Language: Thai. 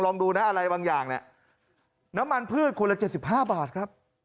ลองดูนะอะไรบางอย่างเนี่ยน้ำมันพืชคนละ๗๕บาทครับ